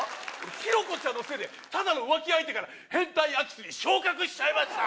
ヒロコちゃんのせいでただの浮気相手から変態空き巣に昇格しちゃいました